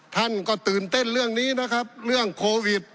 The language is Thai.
ท่านก็ตื่นเต้นเรื่องนี้นะครับเรื่องโควิด